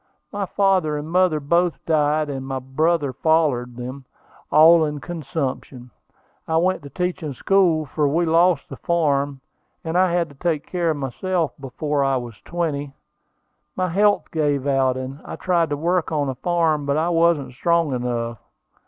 My father and mother both died, and my brother followed them, all in consumption. I went to teaching school, for we lost the farm, and I had to take care of myself before I was twenty. My health gave out, and I tried to work on a farm, but I wasn't strong enough.